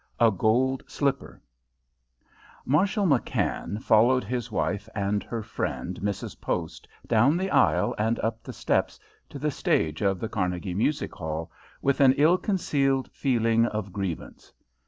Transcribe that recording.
A Gold Slipper Marshall McKann followed his wife and her friend Mrs. Post down the aisle and up the steps to the stage of the Carnegie Music Hall with an ill concealed feeling of grievance.